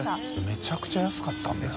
めちゃくちゃ安かったんだよな。